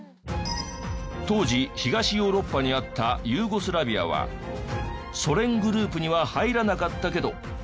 当時東ヨーロッパにあったユーゴスラビアはソ連グループには入らなかったけど社会主義の国。